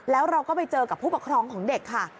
แล้วเราก็ไปเจอกับผู้ปกครองของเด็กค่ะ